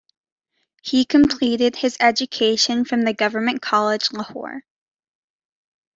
He completed his education from the Government College Lahore.